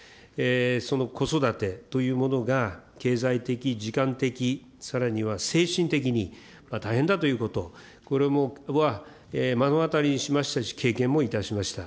その子育てというものが経済的、時間的、さらには精神的に大変だということ、これは目の当たりにしましたし、経験もいたしました。